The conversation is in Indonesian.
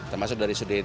termasuk dari sudin